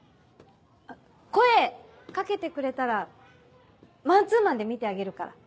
声掛けてくれたらマンツーマンで見てあげるから。